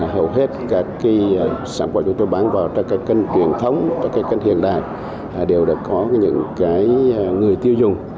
hầu hết các sản phẩm chúng tôi bán vào các kênh truyền thống các kênh hiện đại đều đã có những người tiêu dùng